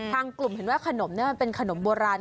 ทางกลุ่มเห็นว่าขนมนี่มันเป็นขนมโบราณ